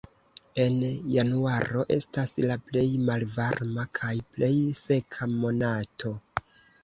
En januaro estas la plej malvarma kaj plej seka monato.